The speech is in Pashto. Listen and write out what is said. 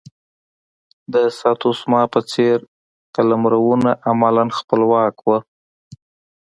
د ساتسوما په څېر قلمرونه عملا خپلواک وو.